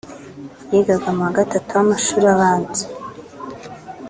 yigaga mu wa gatatu w’amashuri abanza